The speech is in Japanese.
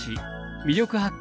「魅力発見！